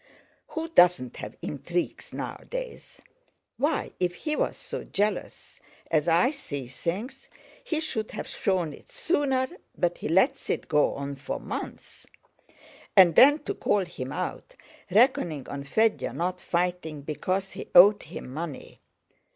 Who doesn't have intrigues nowadays? Why, if he was so jealous, as I see things he should have shown it sooner, but he lets it go on for months. And then to call him out, reckoning on Fédya not fighting because he owed him money!